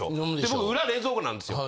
僕裏冷蔵庫なんですよ。